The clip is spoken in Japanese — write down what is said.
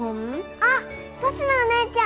あっバスのお姉ちゃん！